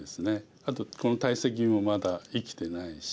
あとこの大石もまだ生きてないし。